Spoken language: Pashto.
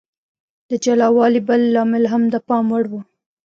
د جلا والي بل لامل هم د پام وړ و.